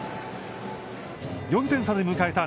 ４点差で迎えた